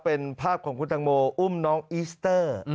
เป็นภาพของคุณตังโมอุ้มน้องอีสเตอร์